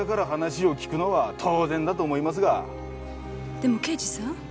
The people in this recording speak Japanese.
でも刑事さん